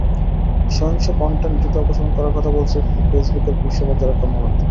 সহিংস কনটেন্ট দ্রুত অপসারণ করার কথা বলেছেন ফেসবুকের শীর্ষ পর্যায়ের এক কর্মকর্তা।